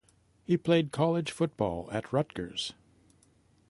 He played college football at Rutgers.